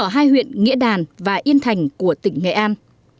ở hai huyện nghĩa đàn và yên thành của tỉnh nghệ an